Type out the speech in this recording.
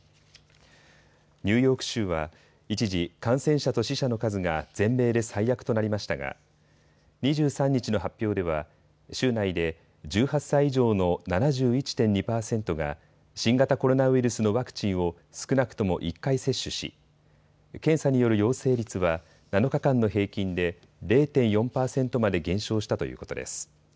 ニューヨーク州は一時、感染者と死者の数が全米で最悪となりましたが２３日の発表では州内で１８歳以上の７１．２％が新型コロナウイルスのワクチンを少なくとも１回接種し検査による陽性率は７日間の平均で０．４％まで減少したということです。